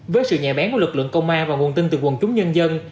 với sự nhạy bén của lực lượng công an và nguồn tin từ quần chúng nhân dân